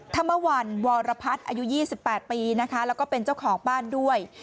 ทำมวัลวรพัฒน์อายุ๒๘ปีและเป็นเจ้าของบ้านด้วย